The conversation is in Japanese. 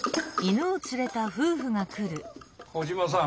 コジマさん